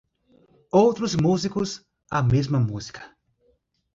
Outros músicos - a mesma música.